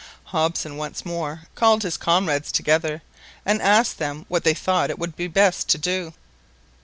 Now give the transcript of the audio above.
Hobson once more called his comrades together, and asked them what they thought it would be best to do.